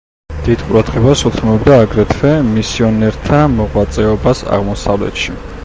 დიდ ყურადღებას უთმობდა აგრეთვე მისიონერთა მოღვაწეობას აღმოსავლეთში.